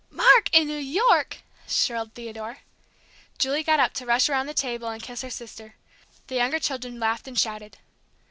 "Mark in New York!" shrilled Theodore. Julie got up to rush around the table and kiss her sister; the younger children laughed and shouted.